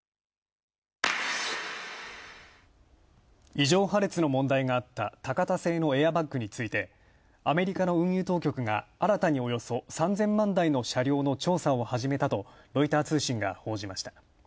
異常破裂の問題があったタカタ製のエアバッグについてアメリカの当局があらたにおよそ３０００万台の車両の調査を始めたとロイター通信が報じました。